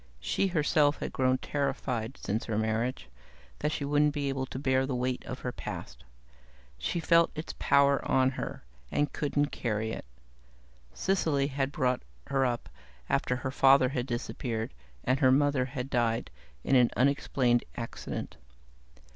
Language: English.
She herself had grown terrified, since her marriage, that she wouldn't be able to bear the weight of her past. She felt its power on her and couldn't carry it. Cecily had brought her up, after her father had disappeared and her mother had died in an unexplained accident.